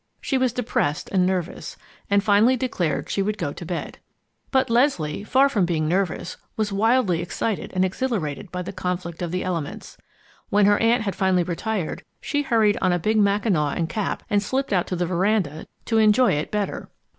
She was depressed and nervous, and finally declared she would go to bed. But Leslie, far from being nervous, was wildly excited and exhilarated by the conflict of the elements. When her aunt had finally retired, she hurried on a big mackinaw and cap and slipped out to the veranda to enjoy it better.